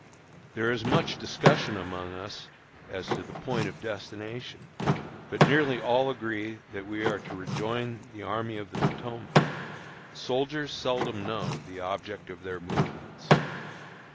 There is much discussion among us as to the point of destination, but nearly all agree that we are to rejoin the Army of the Potomac. Soldiers seldom know the object of their movements.